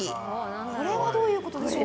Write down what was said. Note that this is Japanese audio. これはどういうことでしょうか。